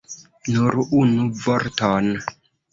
Nur unu vorton!